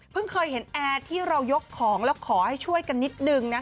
เคยเห็นแอร์ที่เรายกของแล้วขอให้ช่วยกันนิดนึงนะคะ